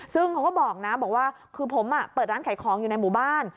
ซึ่งเขาก็บอกนะบอกว่าคือผมเปิดร้านขายของอยู่ในหมู่บ้าน